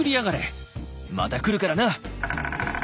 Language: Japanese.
また来るからな」。